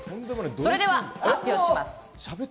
それでは発表します。